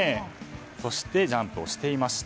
そして、ジャンプをしていました。